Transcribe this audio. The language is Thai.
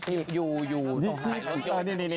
คัตตี้คัตตี้คัตตี้คัตตี้คัตตี้